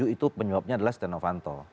itu penyuapnya adalah setia novanto